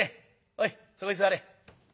おいそこへ座れ。